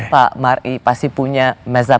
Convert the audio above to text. pak marie pasti punya